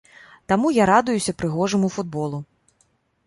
Таму я радуюся прыгожаму футболу.